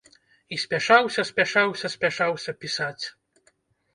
І спяшаўся, спяшаўся, спяшаўся пісаць.